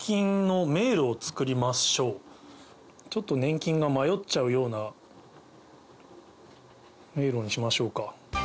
ちょっと粘菌が迷っちゃうような迷路にしましょうか。